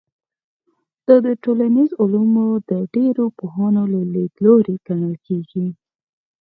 دا د ټولنیزو علومو د ډېرو پوهانو لیدلوری ګڼل کېږي.